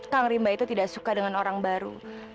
kang rimba itu tidak suka dengan orang baru